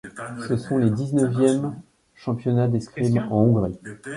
Ce sont les dix-neuvièmes championnats d'escrime en Hongrie.